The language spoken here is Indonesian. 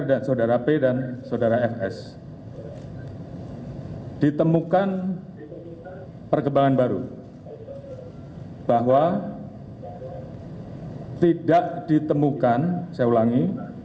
dan saudara p dan saudara fs ditemukan perkembangan baru bahwa tidak ditemukan saya ulangi